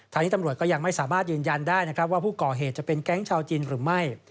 ที่ตำรวจก็ยังไม่สามารถยืนยันได้นะครับว่าผู้ก่อเหตุจะเป็นแก๊งชาวจีนหรือไม่